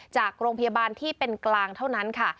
จากโรงพยาบาลที่เป็นกลางเท่านั้นค่ะ